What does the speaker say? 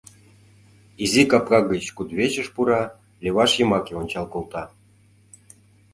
Изи капка гыч кудывечыш пура, леваш йымаке ончал колта.